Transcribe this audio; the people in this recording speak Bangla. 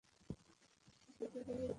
এটা আমার ক্ষতি করার জন্য!